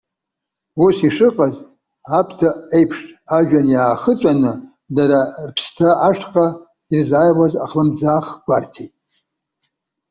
Ус ишыҟаз, аԥҭа еиԥш ажәҩан иахыҵәаны дара рыԥсҭа ашҟа ирзааиуаз ахлымӡаах гәарҭеит.